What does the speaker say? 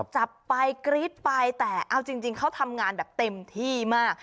จับไปกรี๊ดไปแต่เอาจริงเขาทำงานแบบเต็มที่มาก